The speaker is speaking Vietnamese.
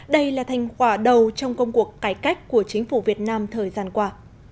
đây là thành quả đầu trong công cuộc cải cách của chính phủ việt nam thời gian qua